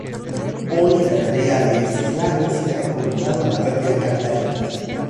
Hoy, la tarea de esos lagos se ha encomendado a la red de alcantarillas.